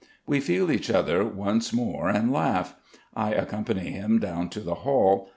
We feel each other once more and laugh. I accompany him down to the hall.